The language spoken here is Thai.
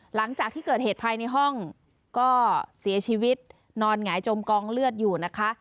หลังจากที่เกิดเหตุภายในห้องก็เสียชีวิตนอนหงายจมกองเลือดอยู่นะคะ